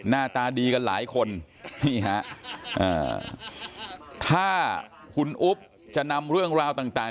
หน้าตาดีกันหลายคนนี่ฮะถ้าคุณอุ๊บจะนำเรื่องราวต่าง